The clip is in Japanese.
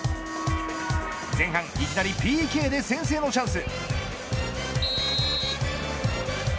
前半いきなりＰＫで先制のチャンス。